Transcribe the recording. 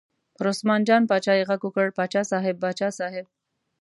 پر عثمان جان باچا یې غږ وکړ: باچا صاحب، باچا صاحب.